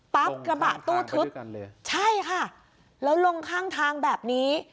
ปั๊บกระบะตู้ทึบลงข้างทางไปด้วยกันเลยใช่ค่ะแล้วลงข้างทางแบบนี้